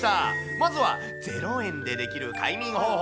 まずは０円でできる快眠方法。